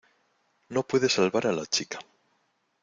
no puede salvar a la chica.